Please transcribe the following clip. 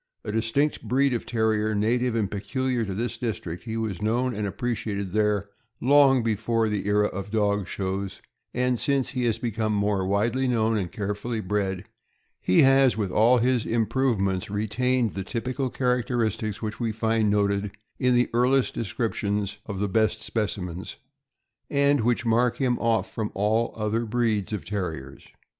A distinct breed of Terrier, native and peculiar to this district, he was known and appreciated there long before the era of dog shows; and since he has become more widely known and carefully bred, he has, with all his improvements, retained the typical characteristics which we find noted in the earliest descriptions of the best specimens, and which mark him oif from all other breeds of Terriers.